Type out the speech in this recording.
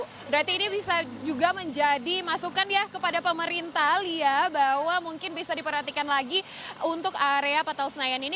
berarti ini bisa juga menjadi masukan ya kepada pemerintah lia bahwa mungkin bisa diperhatikan lagi untuk area patel senayan ini